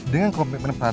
dengan komitmen pradip